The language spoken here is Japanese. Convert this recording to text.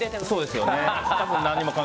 そうですよね。